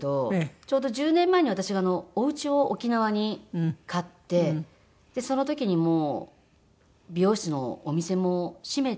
ちょうど１０年前に私がおうちを沖縄に買ってその時にもう美容室のお店も閉めて。